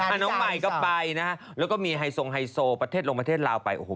น้องใหม่ก็ไปนะฮะแล้วก็มีไฮโซไฮโซประเทศลงประเทศลาวไปโอ้โห